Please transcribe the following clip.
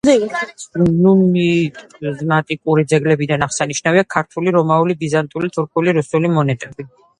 ნუმიზმატიკური ძეგლებიდან აღსანიშნავია ქართული, რომაული, ბიზანტიური, თურქული, რუსული მონეტები.